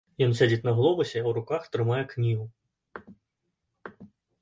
Ён сядзіць на глобусе, а ў руках трымае кнігу.